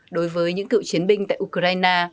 đối với những cựu chiến binh tại ukraine